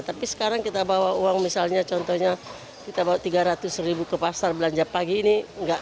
tapi sekarang kita bawa uang misalnya contohnya kita bawa tiga ratus ribu ke pasar belanja pagi ini